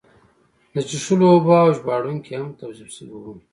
د څښلو اوبه او ژباړونکي هم توظیف شوي وو.